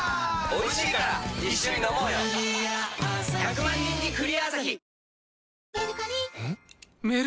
１００万人に「クリアアサヒ」